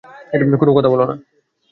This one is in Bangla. কোনও কথা বলো না!